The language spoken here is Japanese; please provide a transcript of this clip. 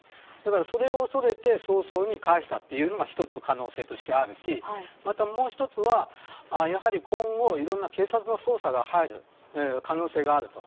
それを恐れて早々に返したというのが一つ可能性としてあるしもう１つは、やはり今後いろんな警察の捜査が入る可能性があると。